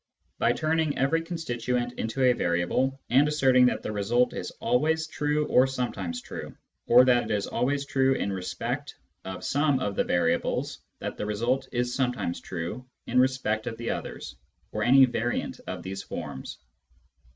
by turning every constituent into a variable and asserting that the result is always true or sometimes true, or that it is always true in respect of some of the variables that the result is sometimes true in respect of the others, or any variant of these forms.